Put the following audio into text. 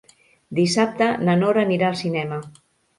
Dissabte na Nora anirà al cinema.